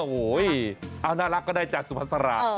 โอ้โหเอาน่ารักก็ได้จากสุภาษา